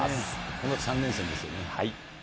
このあと３連戦ですよね。